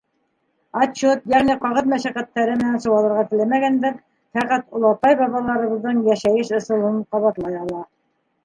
Отчет, йәғни ҡағыҙ мәшәҡәттәре менән сыуалырға теләмәгәндәр фәҡәт олатай-бабаларыбыҙҙың йәшәйеш ысулын ҡабатлай ала.